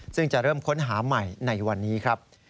ซึ่งจะเริ่มค้นหาใหม่ในวันนี้ครับ